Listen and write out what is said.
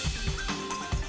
dan tidak bisa dibungkari